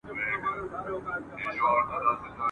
د پرنګ توپ يې خاموش کی ..